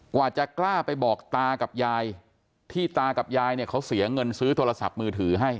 กว่าจะกล้าไปบอกตากับยายที่ตากับยายเนี่ยเขาเสียเงินซื้อโทรศัพท์มือถือให้